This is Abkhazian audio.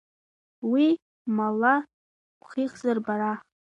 Уи малла бхихзар, бара?